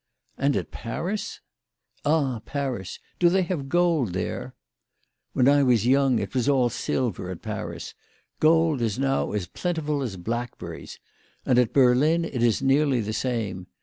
" And at Paris ?"" Ah, Paris ! Do they have gold there ?"" When I was young it was all silver at Paris. Gold is now as plentiful as blackberries. And at Berlin it is nearly the same.